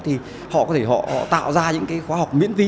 thì họ có thể họ tạo ra những cái khóa học miễn vi